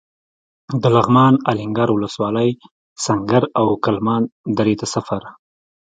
د لغمان الینګار ولسوالۍ سنګر او کلمان درې ته سفر.